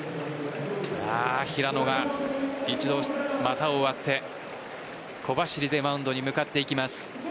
平野が一度、股をわって小走りでマウンドに向かっていきます。